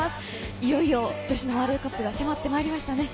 いよいよ女子ワールドカップが迫ってきましたね。